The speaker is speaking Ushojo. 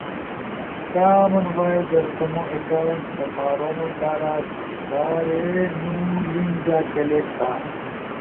کامن وائس در تمو اکاونٹ سپارونو کارا کھارینو لنک جا کلک تھا۔